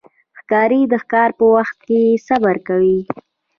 ښکاري د ښکار په وخت کې صبر کوي.